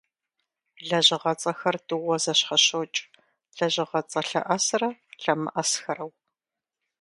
Лэжьыгъэцӏэхэр тӏууэ зэщхьэщокӏ - лэжьыгъэцӏэ лъэӏэсрэ лъэмыӏэсхэрэу.